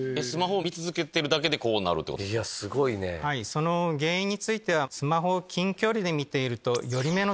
その原因については。